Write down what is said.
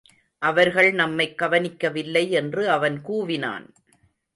அவர்கள் நம்மைக் கவனிக்கவில்லை என்று அவன் கூவினான்.